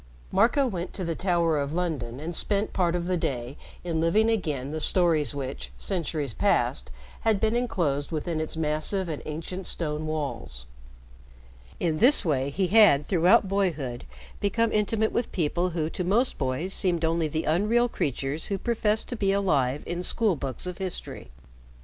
Marco went to the Tower of London and spent part of the day in living again the stories which, centuries past, had been inclosed within its massive and ancient stone walls. In this way, he had throughout boyhood become intimate with people who to most boys seemed only the unreal creatures who professed to be alive in school books of history.